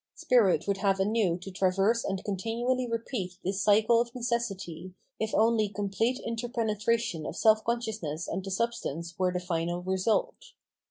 Spirit would have anew to traverse and continually repeat this cycle of necessity, if only complete interpenetra tion of self consciousness and the substance were 602 Phenomenology of Mind the final result.